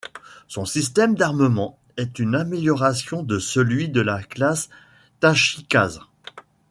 Son système d'armement est une amélioration de celui de la classe Tachikaze.